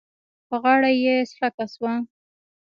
په غاړه یې څړيکه شوه.